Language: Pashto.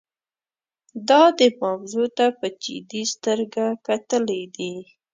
دا دې موضوع ته په جدي سترګه کتلي دي.